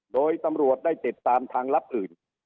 โดยตำรวจได้ติดตามทางลับอื่น